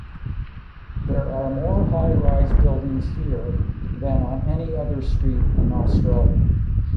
There are more high rise buildings here than on any other street in Australia.